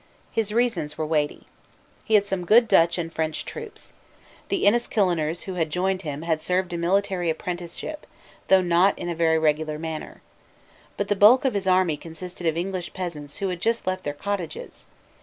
His reasons were weighty. He had some good Dutch and French troops. The Enniskilleners who had joined him had served a military apprenticeship, though not in a very regular manner. But the bulk of his army consisted of English peasants who had just left their cottages.